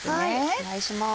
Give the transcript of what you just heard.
お願いします。